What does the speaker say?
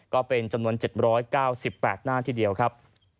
ก็เป็นจำนวน๗๙๘หน้าทีเดียวครับ